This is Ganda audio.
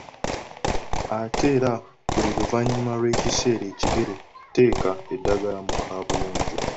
Ate era buli luvanyuma lw‘ekiseera ekigere, teeka eddagala mu kabuyonjo.